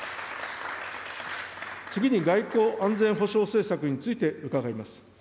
次に外交・安全保障政策について伺います。